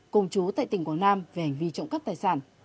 cùng chú tại tỉnh quảng nam về hành vi trộm cắp tài sản